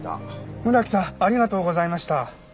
村木さんありがとうございました。